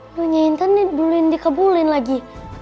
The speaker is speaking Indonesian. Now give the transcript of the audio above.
dunia intan dikabulin lagi